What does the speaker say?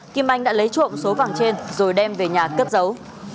kim anh đã lấy trộm số vàng trên rồi đem về nhà cất giấu